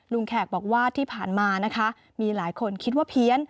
แขกบอกว่าที่ผ่านมานะคะมีหลายคนคิดว่าเพี้ยน